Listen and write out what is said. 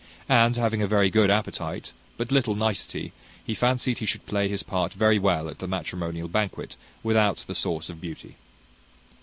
And having a very good appetite, and but little nicety, he fancied he should play his part very well at the matrimonial banquet, without the sauce of beauty.